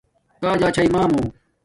کݳ جݳ چھݳئی مݳمݸ؟